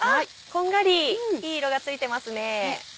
こんがりいい色がついてますね。